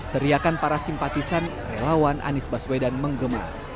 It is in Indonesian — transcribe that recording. teriakan para simpatisan relawan anies baswedan menggema